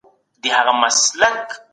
د اوبو کموالی د بدن قوت کموي.